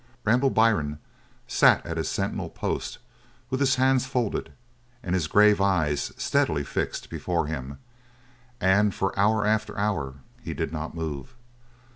Randall Byrne sat at his sentinel post with his hands folded and his grave eyes steadily fixed before him, and for hour after hour he did not move.